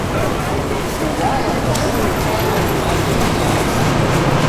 Kuw'aw'a kwa uhu mwana umanye ni mae.